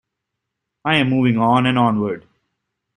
I am moving on and onward.